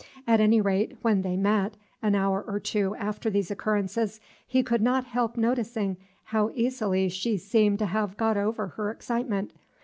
At any rate, when they met, an hour or two after these occurrences, he could not help noticing how easily she seemed to have got over her excitement.